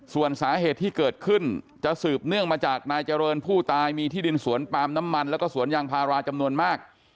ส่วนสาเหตุที่เกิดขึ้นจะสืบเนื่องมาจากนายเจริญผู้ตายมีที่ดินสวนปาล์มน้ำมันแล้วก็สวนยางพาราจำนวนมาก